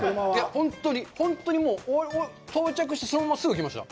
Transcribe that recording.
本当に、本当に到着してそのまますぐ来ました。